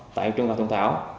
tại trường gà thuận thảo